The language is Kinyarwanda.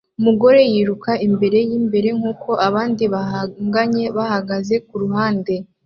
Umugore yiruka imbere yimbere nkuko abandi bahanganye bahagaze kuruhande